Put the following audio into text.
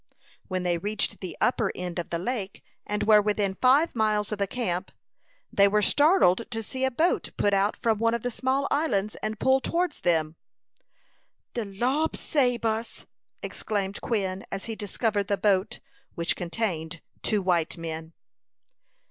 When they reached the upper end of the lake, and were within five miles of the camp, they were startled to see a boat put out from one of the small islands, and pull towards them. "De Lo'd sabe us!" exclaimed Quin, as he discovered the boat, which contained two white men.